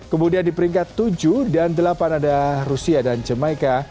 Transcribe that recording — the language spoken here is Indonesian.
kemudian di peringkat tujuh dan delapan ada rusia dan jemaika